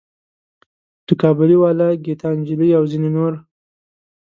لکه کابلی والا، ګیتا نجلي او ځینې نور.